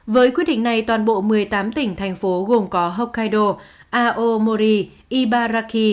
với quyết định này toàn bộ một mươi tám tỉnh thành phố gồm có hokkaido aomori ibaraki